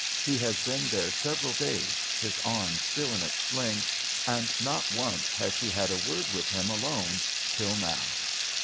He has been there several days, his arm still in its sling, and not once has she had a word with him alone till now.